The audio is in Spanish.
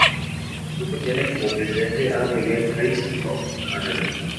Este grupo tiene como presidente a Miguel Pais do Amaral.